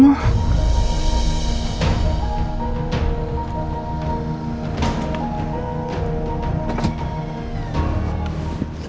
gue masih bingung